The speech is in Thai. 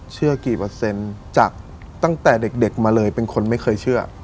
เชื่อกี่เปอร์เซ็นต์จากตั้งแต่เด็กมาเลยเป็นคนไม่เคยเชื่อ